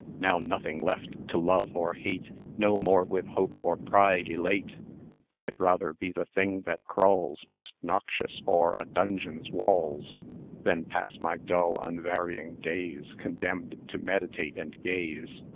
Now nothing left to love or hate, No more with hope or pride elate, I'd rather be the thing that crawls 990 Most noxious o'er a dungeon's walls, Than pass my dull, unvarying days, Condemned to meditate and gaze.